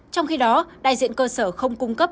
trong khi đó đại diện cơ sở không cung cấp